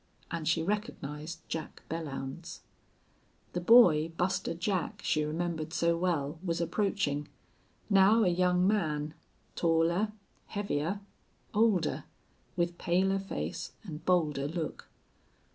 And she recognized Jack Belllounds. The boy Buster Jack she remembered so well was approaching, now a young man, taller, heavier, older, with paler face and bolder look.